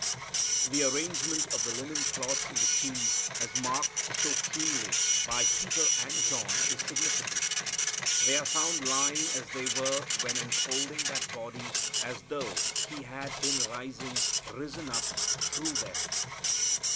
The arrangement of the linen cloths in the tomb, as marked so keenly by Peter and John, is significant. They are found lying as they were when enfolding that body, as though He had in rising risen up through them.